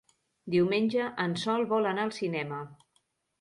Diumenge en Sol vol anar al cinema.